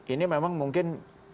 ini memang mungkin